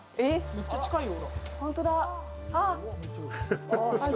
めっちゃ近いよ。